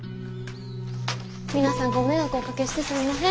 皆さんご迷惑おかけしてすんまへん。